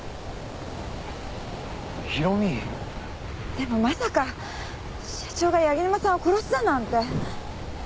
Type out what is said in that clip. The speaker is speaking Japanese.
でもまさか社長が柳沼さんを殺すだなんて。